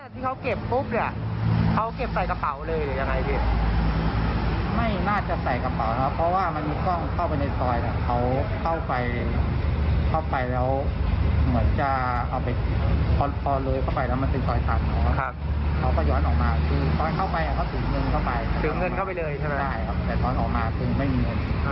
สูบเงินเข้าไปใช่ไหมครับพื้งเงินเข้าไปเลยใช่ไหม